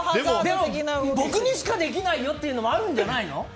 僕にしかできないよっていうのはあるんじゃないの？